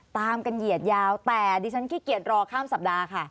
ตามกันเหยียดยาวแต่ดิฉันขี้เกียจรอข้ามสัปดาห์ค่ะ